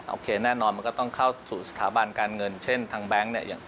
โอเคแน่นอนมันก็ต้องเข้าสู่สถาบันการเงินเช่นทางแบงค์เนี่ย